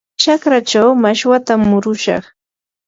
chakraachaw mashwatam murushaq.